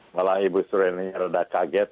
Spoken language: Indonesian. malah ibu sureni agak kaget